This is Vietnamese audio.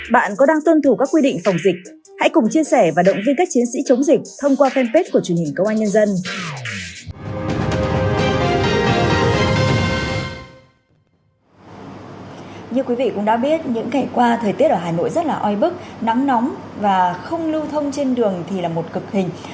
bạn có đang tuân thủ các quy định phòng dịch hãy cùng chia sẻ và động viên các chiến sĩ chống dịch thông qua fanpage của truyền hình công an nhân dân